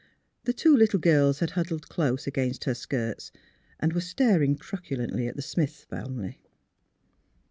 The two little girls had huddled close against her skirts, and were staring truculently at the Smith family.